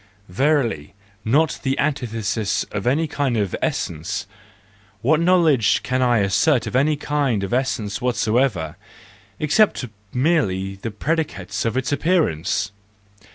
Verily, not the antithesis of any kind of essence,—what knowledge can I assert of any kind of essence whatsoever, except merely the THE JOYFUL WISDOM, I 89 predicates of its appearance!